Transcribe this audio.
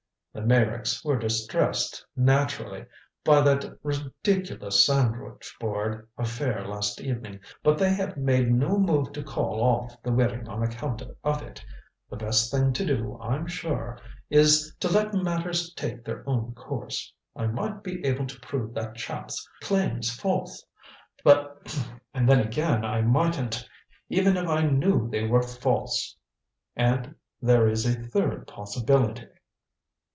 The Meyricks were distressed, naturally, by that ridiculous sandwich board affair last evening, but they have made no move to call off the wedding on account of it. The best thing to do, I'm sure, is to let matters take their course. I might be able to prove that chap's claims false and then again I mightn't, even if I knew they were false. And there is a third possibility."